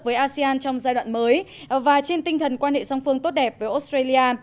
với asean trong giai đoạn mới và trên tinh thần quan hệ song phương tốt đẹp với australia